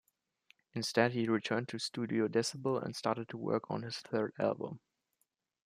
Instead, he returned to Studio Decibel and started work on his third album.